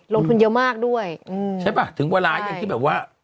ลงทุนเยอะมากด้วยอืมใช่ป่ะถึงเวลาอย่างที่แบบว่า